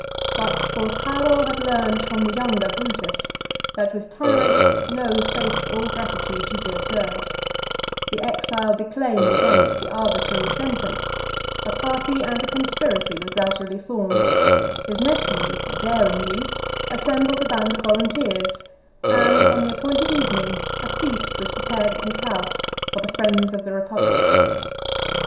But Porcaro had learned from the younger Brutus, that with tyrants no faith or gratitude should be observed: the exile declaimed against the arbitrary sentence; a party and a conspiracy were gradually formed: his nephew, a daring youth, assembled a band of volunteers; and on the appointed evening a feast was prepared at his house for the friends of the republic.